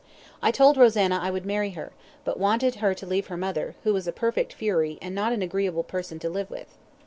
I told Rosanna I would marry her, but wanted her to leave her mother, who was a perfect fury, and not an agreeable person to live with.